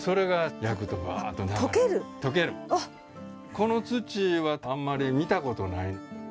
この土はあんまり見たことない。